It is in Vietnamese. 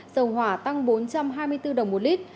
dầu hỏa tăng bốn trăm hai mươi bốn đồng một lít